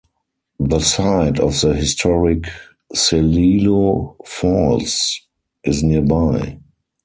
The site of the historic Celilo Falls is nearby.